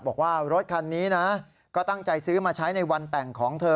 บอกว่ารถคันนี้นะก็ตั้งใจซื้อมาใช้ในวันแต่งของเธอ